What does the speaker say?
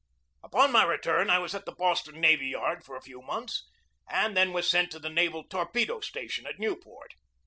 Upon my return I was at the Boston Navy Yard for a few months, and then was sent to the naval SERVICE AFTER THE WAR 145 torpedo station at Newport.